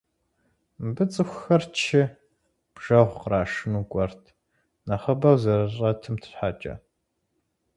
Мыбы цӏыхухэр чы, бжэгъу кърашыну кӏуэрт, нэхъыбэу зэрыщӏэтым щхьэкӏэ.